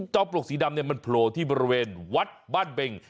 เจ้าปลกสีดำเนี่ยมันโผล่ที่บริเวณวัดบ้านเบง